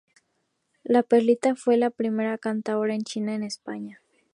La perlita fue la primera cantaora china en España.